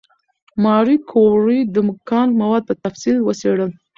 ماري کوري د کان مواد په تفصیل وڅېړل.